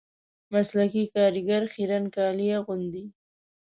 مسلکي کاریګر خیرن کالي اغوندي